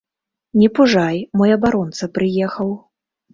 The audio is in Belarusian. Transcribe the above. Не пужай, мой абаронца прыехаў.